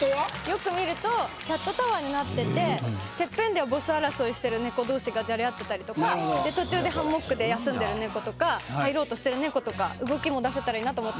よく見るとキャットタワーになってててっぺんではボス争いしてる猫同士がじゃれ合ってたりとか途中でハンモックで休んでる猫とか入ろうとしてる猫とか動きも出せたらいいなと思って。